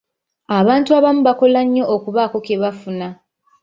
Abantu abamu bakola nnyo okubaako kye bafuna.